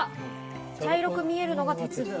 茶色く見えるのが鉄分。